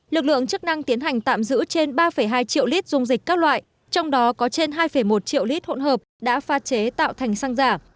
lực lượng chức năng tiến hành tạm giữ trên ba hai triệu lít dung dịch các loại trong đó có trên hai một triệu lít hỗn hợp đã pha chế tạo thành xăng giả